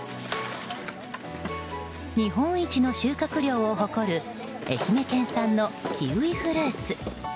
日本一の収穫量を誇る愛媛県産のキウイフルーツ。